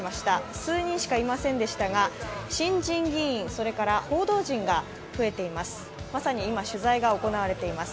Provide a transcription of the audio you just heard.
数人しかいませんでしたが新人議員、それから報道陣が増えています。